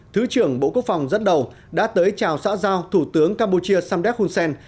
thứ trưởng bộ quốc phòng dẫn đầu đã tới chào xã giao thủ tướng campuchia samdek hun sen